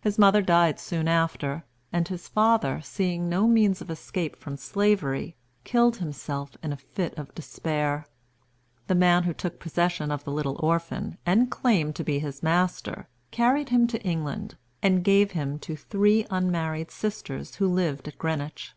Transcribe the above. His mother died soon after, and his father, seeing no means of escape from slavery, killed himself in a fit of despair. The man who took possession of the little orphan, and claimed to be his master, carried him to England, and gave him to three unmarried sisters who lived at Greenwich.